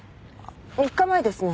３日前ですね。